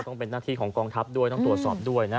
ต้องเป็นหน้าที่ของกองทัพด้วยต้องตรวจสอบด้วยนะ